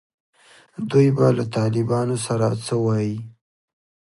دوی به له طالبانو سره څه وایي.